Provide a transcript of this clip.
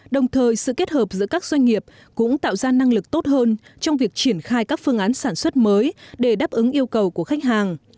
đồng thời sự kết hợp giữa các doanh nghiệp cũng tạo ra năng lực tốt hơn trong việc triển khai các phương án sản xuất mới để đáp ứng yêu cầu của khách hàng